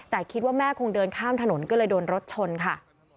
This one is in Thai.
แต่คิดว่าแม่คงเดินข้ามถนนก็เลยโดนรถชนค่ะ